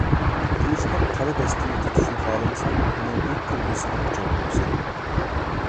قىلىچنىڭ قارا دەستىسىنى تۇتۇشنى خالىمىساڭ، ئۇنىڭ ئۆتكۈر بىسىغا دۇچار بولىسەن!